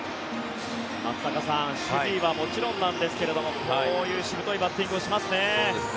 松坂さん守備はもちろんなんですけどもこういうしぶといバッティングしますね。